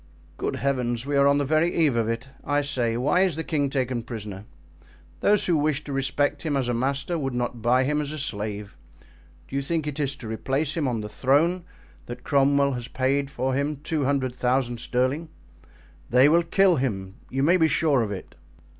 "Good heavens! we are on the very eve of it. I say, why is the king taken prisoner? Those who wish to respect him as a master would not buy him as a slave. Do you think it is to replace him on the throne that Cromwell has paid for him two hundred thousand pounds sterling? They will kill him, you may be sure of it."